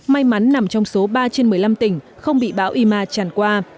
may mắn nằm trong số ba trên một mươi năm tỉnh không bị bão ima tràn qua